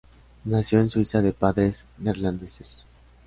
Nació en Suiza de padres neerlandeses.